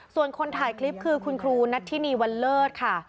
ส่วนคนถ่ายคลิปคือคุณครูนัทธินีวันเลิศค่ะ